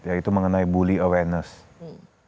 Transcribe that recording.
yaitu mengenai bully awareness